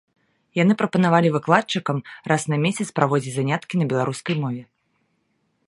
Яны прапанавалі выкладчыкам раз на месяц праводзіць заняткі на беларускай мове.